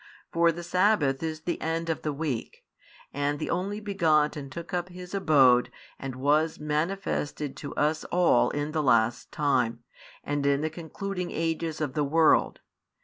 For the sabbath is the end of the week, and the Only Begotten took up His abode and was manifested to us all in the last time, and in the concluding ages of the world.